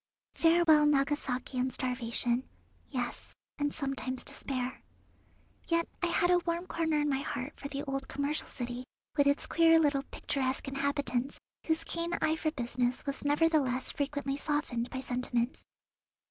Farewell Nagasaki and starvation; yes, and sometimes despair. Yet I had a warm corner in my heart for the old commercial city, with its queer little picturesque inhabitants, whose keen eye for business was nevertheless frequently softened by sentiment.